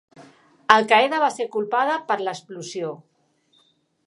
Al-Qaeda va ser culpada per l'explosió.